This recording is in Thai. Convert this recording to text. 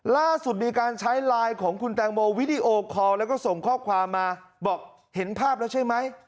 ล่าสุดมีการใช้ไลน์ของคุณแตงโมวิดีโอคอลแล้วก็ส่งข้อความมาบอกเห็นภาพแล้วใช่ไหม